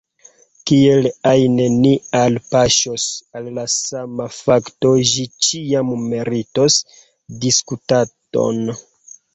Kiel ajn ni alpaŝos al la sama fakto, ĝi ĉiam meritos diskutadon.